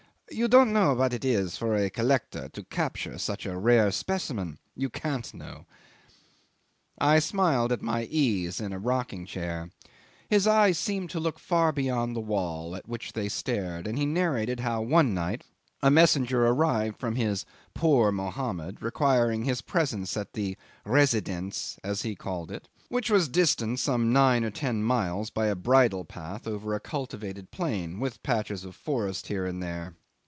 You don't know what it is for a collector to capture such a rare specimen. You can't know." 'I smiled at my ease in a rocking chair. His eyes seemed to look far beyond the wall at which they stared; and he narrated how, one night, a messenger arrived from his "poor Mohammed," requiring his presence at the "residenz" as he called it which was distant some nine or ten miles by a bridle path over a cultivated plain, with patches of forest here and there.